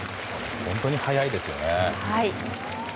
本当に速いですよね。